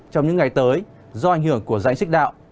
trong những ngày tới do ảnh hưởng của giãnh sinh đạo